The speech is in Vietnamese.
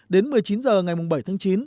đến một mươi chín h ngày bảy tháng chín